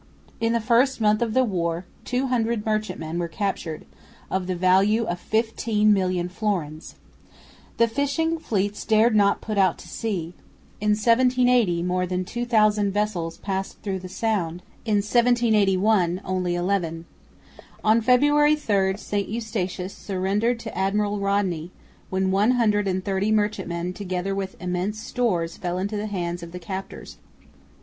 In the first month of the war 200 merchantmen were captured, of the value of 15,000,000 florins. The fishing fleets dared not put out to sea. In 1780 more than 2000 vessels passed through the Sound, in 1781 only eleven. On February 3 St Eustatius surrendered to Admiral Rodney, when one hundred and thirty merchantmen together with immense stores fell into the hands of the captors.